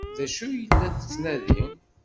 D acu ay la tettnadi?